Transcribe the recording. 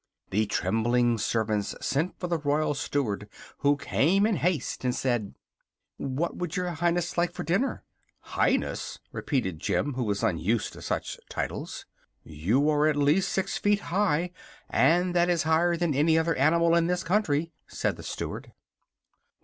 The trembling servants sent for the Royal Steward, who came in haste and said: "What would your Highness like for dinner?" "Highness!" repeated Jim, who was unused to such titles. "You are at least six feet high, and that is higher than any other animal in this country," said the Steward.